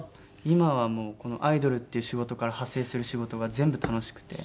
今はもうこのアイドルっていう仕事から派生する仕事が全部楽しくて。